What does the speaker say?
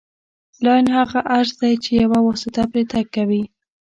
لاین هغه عرض دی چې یوه واسطه پرې تګ کوي